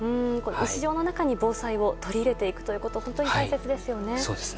日常の中に防災を取り入れていくことが本当に大切ですよね。